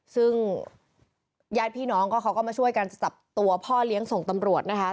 ซึ่งญาติพี่น้องก็เขาก็มาช่วยกันจับตัวพ่อเลี้ยงส่งตำรวจนะคะ